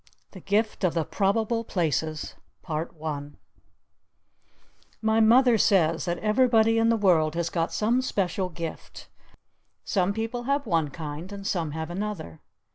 THE GIFT OF THE PROBABLE PLACES My Mother says that everybody in the world has got some special Gift. Some people have one kind and some have another.